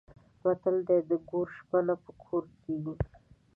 متل دی: د ګور شپه نه په کور کېږي.